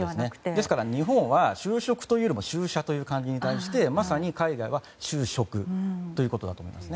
ですから、日本は就職というよりも就社という感じに対してまさに海外は就職ということだと思います。